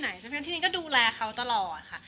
หน้าที่ไหนฉะนั้นที่นี่ก็ดูแลเขาตลอดค่ะ